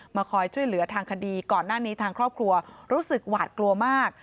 คอยช่วยเหลือทางคดีก่อนหน้านี้ทางครอบครัวรู้สึกหวาดกลัวมาก